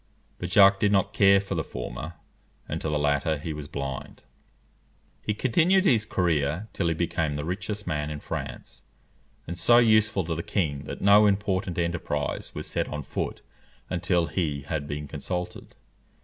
But Jacques did not care for the former, and to the latter he was blind. He continued his career till he became the richest man in France, and so useful to the king that no important enterprise was set on foot until he had been consulted.